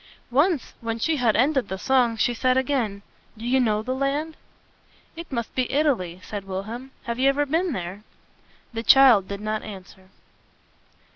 Once, when she had ended the song, she said again, "Do you know the land?" "It must be Italy," said Wilhelm. "Have you ever been there?" The child did not answer.